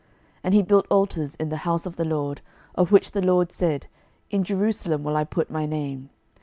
12:021:004 And he built altars in the house of the LORD, of which the LORD said, In Jerusalem will I put my name.